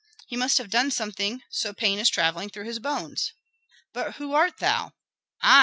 "He must have done something, so pain is travelling through his bones." "But who art thou?" "I?"